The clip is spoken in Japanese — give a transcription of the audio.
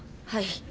はい。